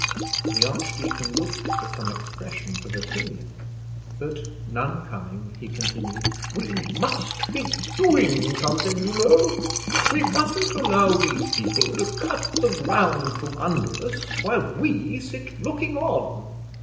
the archdeacon looked for some expressions of opinion, but none coming, he continued, "We must be doing something, you know; we mustn't allow these people to cut the ground from under us while we sit looking on."